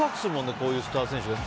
こういうスター選手が。